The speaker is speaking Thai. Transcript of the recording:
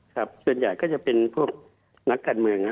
ส่วนใหญ่ก็จะเป็นพวกนักการเมือง